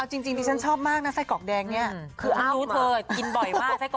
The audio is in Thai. เอาจริงจ๊ะชอบมากน่ะไส้กอกแดงเนี่ย